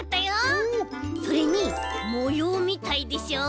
それにもようみたいでしょ？